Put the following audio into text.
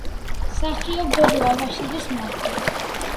მსახიობ დოდო აბაშიძის მამა.